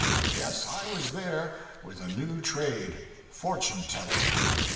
Yes, I was there, with a new trade fortune teller.